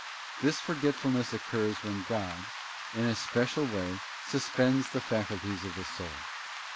This forgetfulness occurs when God in a special way suspends the faculties of the soul.